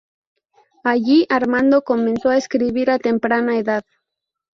Allí Armando comenzó a escribir a temprana edad.